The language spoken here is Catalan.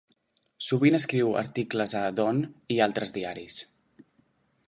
Sovint escriu articles a "Dawn" i altres diaris.